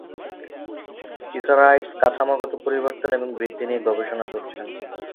পিসারাইডস কাঠামোগত পরিবর্তন এবং বৃদ্ধি নিয়ে গবেষণা করেছেন।